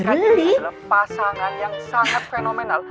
mereka ini adalah pasangan yang sangat fenomenal